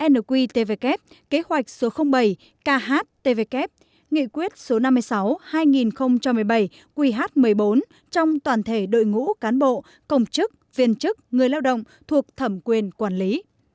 nqtvk kế hoạch số bảy khvk nghị quyết số năm mươi sáu hai nghìn một mươi bảy qh một mươi bốn trong toàn thể đội ngũ cán bộ công chức viên chức người lao động thuộc thẩm quyền quản lý